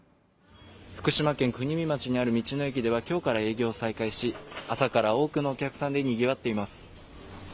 福島県国見町にある道の駅ではきょうから営業を再開し朝から多くのお客さんでにぎわっています